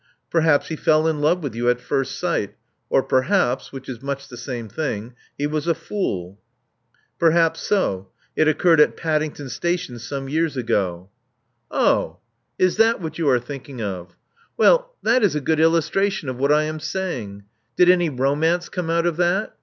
*Terhaps he fell in love with you at first sight. Or perhaps — which is much the same thing — ^he was a fool." Perhaps so. It occurred at Paddington Station some years ago," 428 Love Among the Artists 0h! Is that what you are thinking of? Well, that is a good illustration of what I am saying. Did any romance come out of that?